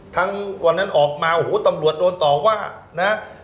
วันนั้นออกมาโอ้โหตำรวจโดนต่อว่านะ